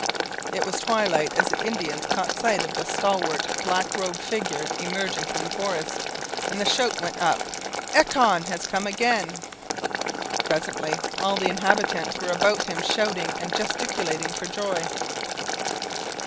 It was twilight as the Indians caught sight of the stalwart, black robed figure emerging from the forest, and the shout went up, 'Echon has come again!' Presently all the inhabitants were about him shouting and gesticulating for joy.